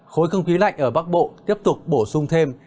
khối không khí lạnh ở bắc bộ tiếp tục bổ sung thêm